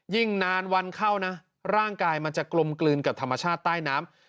ยิ่งนานวันเข้านะร่างกายมันจะกลมกลืนกับธรรมชาติใต้น้ำ